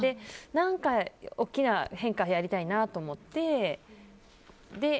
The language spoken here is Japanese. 何か大きな変化をやりたいなと思って。